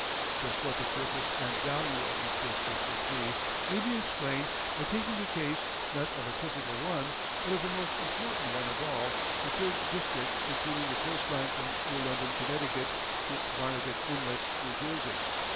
Just what the purpose and value of these districts would be may be explained by taking the case, not of a typical one, but of the most important one of all, the third district including the coast line from New London, Conn., to Barnegat Inlet, New Jersey.